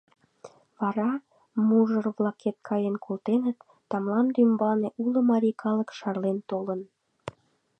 Вара мужыр-влакет каен колтеныт, да мланде ӱмбалне уло марий калык шарлен толын.